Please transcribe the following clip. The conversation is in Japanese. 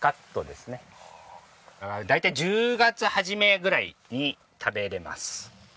大体１０月初めぐらいに食べられます。